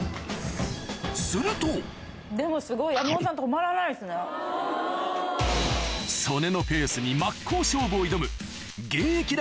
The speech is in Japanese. すると曽根のペースに真っ向勝負を挑む現役